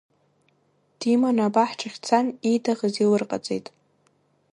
Диманы абаҳчахь дцан, ииҭахыз илырҟаҵеит.